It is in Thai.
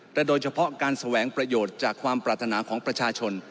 แต่โดยเฉพาะการแสวงประโยชน์จากความปรารถนาของประชาชน